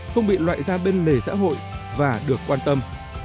không bị loại ra bên lề xã hội và được quan tâm